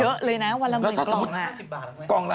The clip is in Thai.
เยอะเลยนะวันละหมื่นกล่องละ